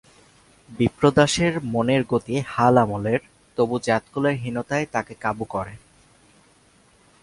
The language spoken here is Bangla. বিপ্রদাসের মনের গতি হাল-আমলের, তবু জাতকুলের হীনতায় তাকে কাবু করে।